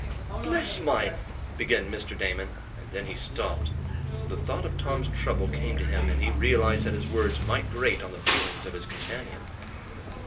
"Bless my !" began Mr. Damon, and then he stopped. The thought of Tom's trouble came to him, and he realized that his words might grate on the feelings of his companion.